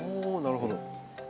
おなるほど。